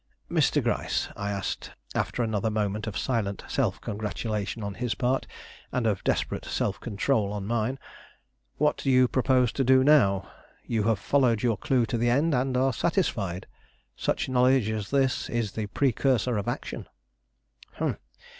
"Mr. Gryce," I asked, after another moment of silent self congratulation on his part, and of desperate self control on mine, "what do you propose to do now? You have followed your clue to the end and are satisfied. Such knowledge as this is the precursor of action."